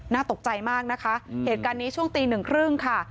ตกใจมากนะคะเหตุการณ์นี้ช่วงตีหนึ่งครึ่งค่ะ